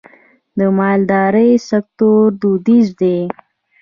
د مالدارۍ سکتور دودیز دی